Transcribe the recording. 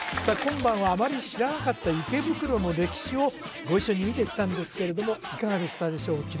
さあ今晩はあまり知らなかった池袋の歴史をご一緒に見てきたんですけれどもいかがでしたでしょう？